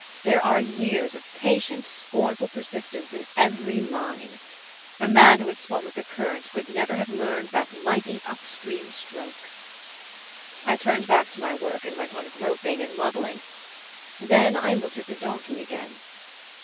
There are years of patient scornful persistence in every line. A man who had swum with the current could never have learned that mighty up stream stroke.... "I turned back to my work, and went on groping and muddling; then I looked at the donkey again.